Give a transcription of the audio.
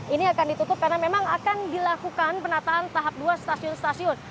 ini akan ditutup karena memang akan dilakukan penataan tahap dua stasiun stasiun